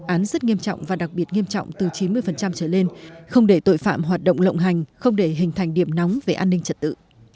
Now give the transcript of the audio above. án rất nghiêm trọng và đặc biệt nghiêm trọng từ chín mươi trở lên không để tội phạm hoạt động lộng hành không để hình thành điểm nóng về an ninh trật tự